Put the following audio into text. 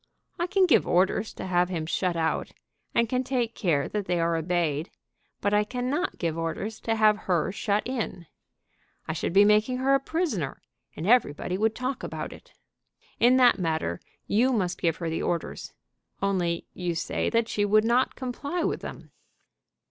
I can give orders to have him shut out, and can take care that they are obeyed; but I cannot give orders to have her shut in. I should be making her a prisoner, and everybody would talk about it. In that matter you must give her the orders; only you say that she would not comply with them."